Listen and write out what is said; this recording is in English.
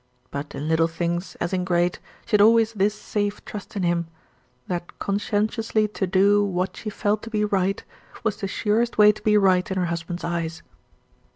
But in little things, as in great, she had always this safe trust in him that conscientiously to do what she felt to be right was the surest way to be right in her husband's eyes.